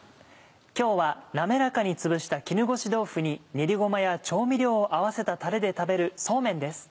今日は滑らかにつぶした絹ごし豆腐に練りごまや調味料を合わせたたれで食べるそうめんです。